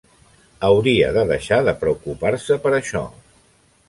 Hauria de deixar de preocupar-se per això.